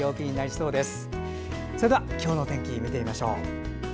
それでは今日の天気見てみましょう。